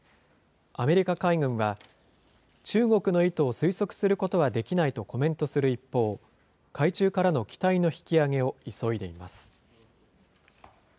アメリカ海軍は、中国の意図を推測することはできないとコメントする一方、海中からの機体の引き揚げを急いでいます。